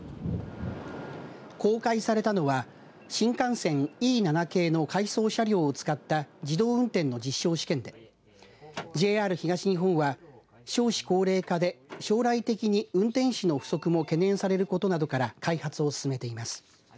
公開されたのは新幹線Ｅ７系の回送車両を使った自動運転の実証試験でＪＲ東日本は少子高齢化で将来的に運転士の不足も懸念されることなどから開発を進めています。